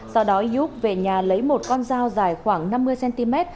sau đó youk về nhà lấy một con dao dài khoảng năm mươi cm